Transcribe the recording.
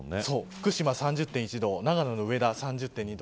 福島３０．１度長野の上田、３０．２度。